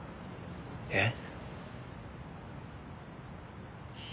えっ？